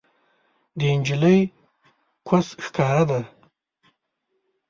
د انجلۍ کوس ښکاره دی